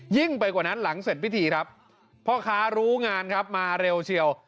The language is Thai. ยิ่งไปกว่านั้นหลังเสร็จพิธีครับพ่อค้ารู้งานครับมาเร็วเชียว